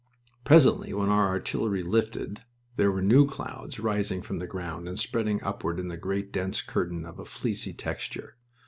Presently, when our artillery lifted, there were new clouds rising from the ground and spreading upward in a great dense curtain of a fleecy texture.